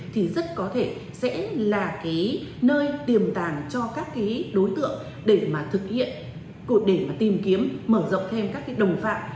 thì rất có thể sẽ là cái nơi tiềm tàng cho các đối tượng để mà tìm kiếm mở rộng thêm các đồng phạm